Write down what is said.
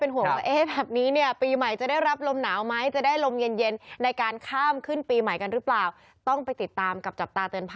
โอ้โหนึกว่าเดินเมียสายนน่าร้อน